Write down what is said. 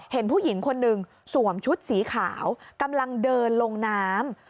เห็นผู้หญิงคนหนึ่งสวมชุดสีขาวกำลังเดินลงน้ำ